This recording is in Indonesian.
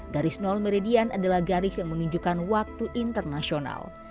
garis nol meridian adalah garis yang menunjukkan waktu internasional